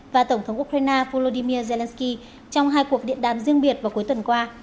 và tổng thống ukraine volodymyr zelensky trong hai cuộc điện đàm riêng biệt vào cuối tuần qua